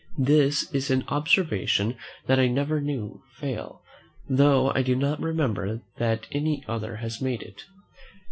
This is an observation that I never knew fail, though I do not remember that any other has made it.